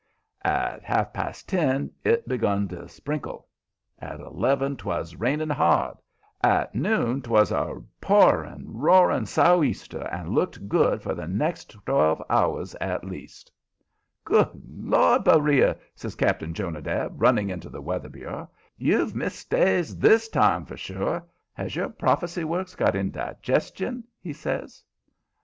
At ha'f past ten it begun to sprinkle; at eleven 'twas raining hard; at noon 'twas a pouring, roaring, sou'easter, and looked good for the next twelve hours at least. "Good Lord! Beriah," says Cap'n Jonadab, running into the Weather Bureau, "you've missed stays THIS time, for sure. Has your prophecy works got indigestion?" he says.